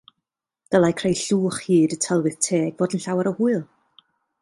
Dylai creu llwch hyd y tylwyth teg fod yn llawer o hwyl.